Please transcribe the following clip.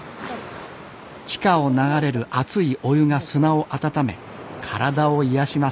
地下を流れる熱いお湯が砂を温め体を癒やします。